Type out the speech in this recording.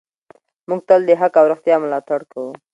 موږ تل د حق او رښتیا ملاتړ کوو.